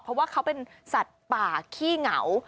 เพราะว่าเขาเป็นสัตว์ป่าขี้เหงา